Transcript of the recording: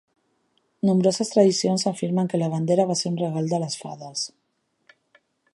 Nombroses tradicions afirmen que la bandera va ser un regal de les fades.